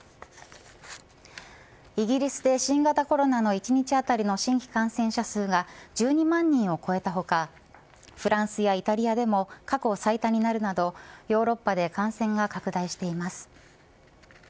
イギリスで新型コロナの一日当たりの新規感染者数が１２万人を超えた他フランスやイタリアでも過去最多となるなどヨーロッパで感染が拡大しています。